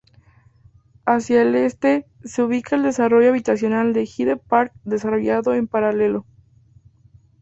Hacia el este se ubica el desarrollo habitacional de Hyde Park, desarrollado en paralelo.